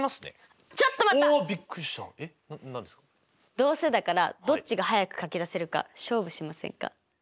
どうせだからどっちがはやく書き出せるか勝負しませんか？